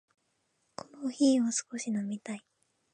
コーヒーを少し飲みたい。